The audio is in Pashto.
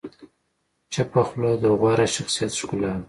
چپه خوله، د غوره شخصیت ښکلا ده.